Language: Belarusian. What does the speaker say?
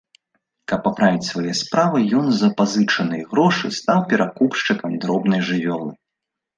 Каб паправіць свае справы, ён за пазычаныя грошы стаў перакупшчыкам дробнай жывёлы.